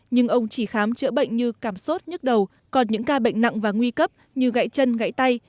nhưng ông chỉ khám chữa bệnh như cảm sốt nhức đầu còn những ca bệnh nặng và nguy cấp như gậy chân gãy tay